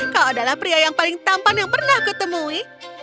kau adalah pria yang paling tampan yang pernah kutemui